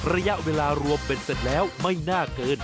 ระยะเวลารวมเป็นเสร็จแล้วไม่น่าเกิน